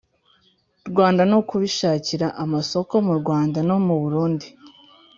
Rwanda no kubishakira amasoko mu Rwanda no muburundi